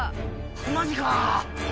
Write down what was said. マジか。